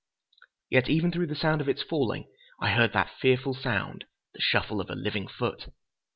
Yet even through the sound of its falling, I heard that fearful sound—the shuffle of a living foot!